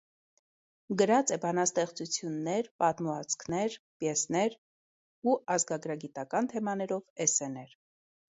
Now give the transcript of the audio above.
Գրած էբանաստեղծութիւններ, պատմուածքներ, պիեսներ ու ազգագրագիտական թեմաներով էսսեներ։